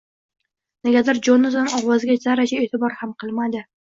Negadir Jonatan ovozga zarracha e’tibor ham qilmadi.